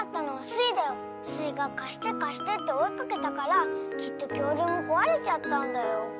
スイが「かしてかして」っておいかけたからきっときょうりゅうもこわれちゃったんだよ。